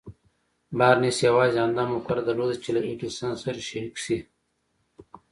بارنس يوازې همدا مفکوره درلوده چې له ايډېسن سره شريک شي.